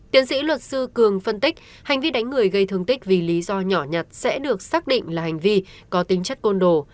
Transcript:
tiến sĩ luật sư cường phân tích hành vi đánh người gây thương tích vì lý do nhỏ nhặt sẽ được xác định là hành vi có tính chất côn đồ